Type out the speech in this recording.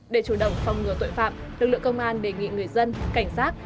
để chủ động phòng ngừa tội phạm lực lượng công an đề nghị người dân cảnh sát